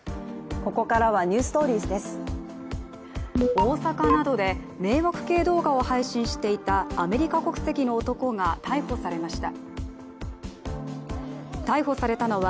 大阪などで迷惑系動画を配信していたアメリカ国籍の男が逮捕されました。